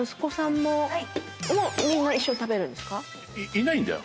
いないんだよ基本。